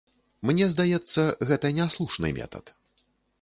Мне здаецца, гэта няслушны метад.